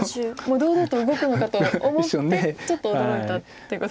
堂々と動くのかと思ってちょっと驚いたってことですね。